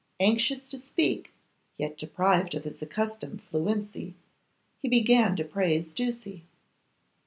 Anxious to speak, yet deprived of his accustomed fluency, he began to praise Ducie.